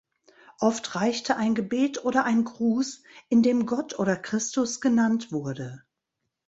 Oft reichte ein Gebet oder ein Gruß, in dem Gott oder Christus genannt wurde.